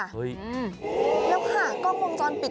เฮ้ยแล้วค่ะกล้องวงจรปิด